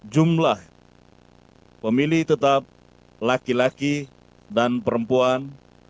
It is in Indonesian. jumlah pemilih tetap laki laki dan perempuan dua dua tiga enam tujuh tiga